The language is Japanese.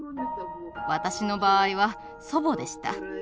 私の場合は祖母でした。